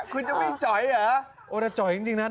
คุณจะไม่จ๋อยเหรอโอ้แต่จ่อยจริงนะ